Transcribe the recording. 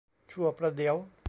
ชั่วประเดี๋ยว